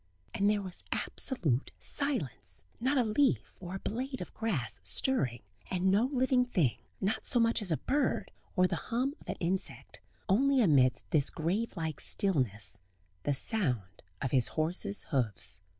And there was absolute silence not a leaf or a blade of grass stirring; and no living thing, not so much as a bird, or the hum of an insect; only amidst this grave like stillness the sound of his horse's hoofs.